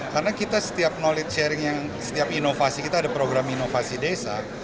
karena kita setiap knowledge sharing yang setiap inovasi kita ada program inovasi desa